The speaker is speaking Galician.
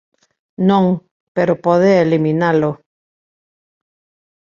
Non. Pero pode eliminalo.